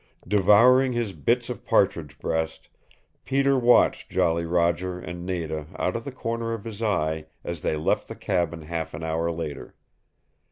Devouring his bits of partridge breast, Peter watched Jolly Roger and Nada out of the corner of his eye as they left the cabin half an hour later.